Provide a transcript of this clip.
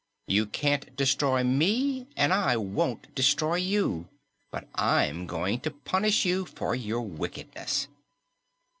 You can't destroy me, and I won't destroy you, but I'm going to punish you for your wickedness."